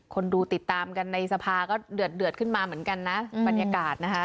คนดูติดตามกันในสภาก็เดือดขึ้นมาเหมือนกันนะบรรยากาศนะคะ